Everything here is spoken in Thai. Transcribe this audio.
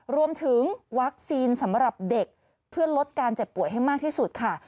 รวมถึงวัคซีนสำหรับเด็กเพื่อลดการเจ็บป่วยให้มากที่สุดค่ะ